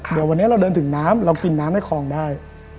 เดี๋ยววันนี้เราเดินถึงน้ำเรากินน้ำในคลองได้